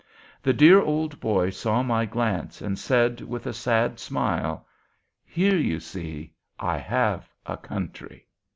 The dear old boy saw my glance, and said, with a sad smile, 'Here, you see, I have a country!'